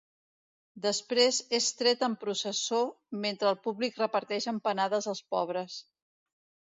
Després és tret en processó mentre el públic reparteix empanades als pobres.